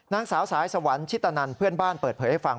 นางสาวสายสวรรค์ชิตนันเพื่อนบ้านเปิดเผยให้ฟัง